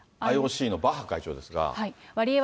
ＩＯＣのバッハ会長ですが。